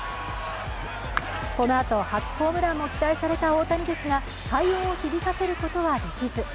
このあと初ホームランも期待された大谷ですが快音を響かせることはできず。